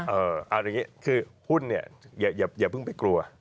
เอาอย่างนี้คือหุ้นเนี่ยอย่าเพิ่งไปกลัว